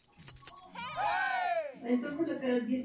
Los capítulos son terminales, solitarios y pedunculados.